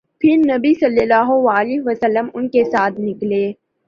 پھر نبی صلی اللہ علیہ وسلم ان کے ساتھ نکلے